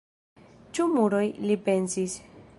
"Ĉu muroj?" li pensis.